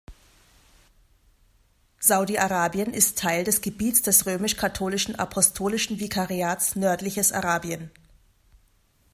Saudi-Arabien ist Teil des Gebiets des römisch-katholischen Apostolischen Vikariats Nördliches Arabien.